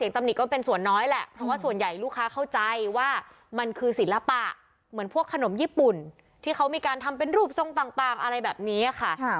ที่เขามีการทำเป็นรูปทรงต่างอะไรแบบนี้อะค่ะ